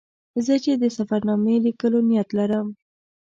زه چې د سفر نامې لیکلو نیت لرم.